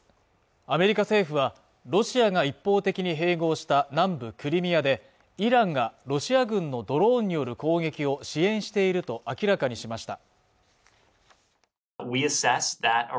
アメリカ政府はロシアが一方的に併合した南部クリミアでイランがロシア軍のドローンによる攻撃を支援していると明らかにしました